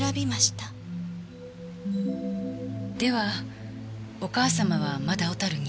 ではお母様はまだ小樽に？